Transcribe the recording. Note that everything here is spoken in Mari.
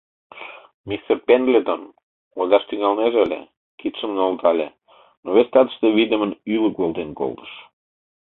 Мистер Пендлетон ойлаш тӱҥалнеже ыле, кидшым нӧлтале, но вес татыште вийдымын ӱлык волтен колтыш.